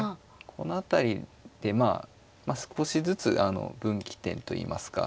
この辺りでまあ少しずつ分岐点といいますか。